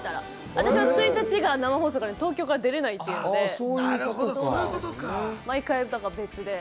私は１日が生放送があるので東京から出られないので、毎回別で。